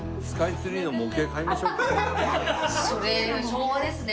それ昭和ですね。